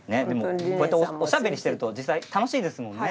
こうやっておしゃべりしていると実際に楽しいですものね。